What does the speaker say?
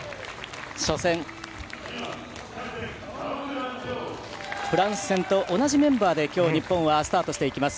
初戦、フランス戦と同じメンバーで今日、日本はスタートしていきます。